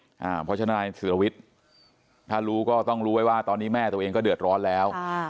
เพราะฉะนั้นนายสุรวิทย์ถ้ารู้ก็ต้องรู้ไว้ว่าตอนนี้แม่ตัวเองก็เดือดร้อนแล้ว